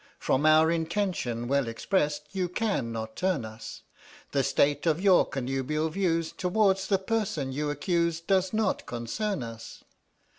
From our intention well expressed You cannot turn us, The state of your connubial views Towards the person you accuse Does not concern us!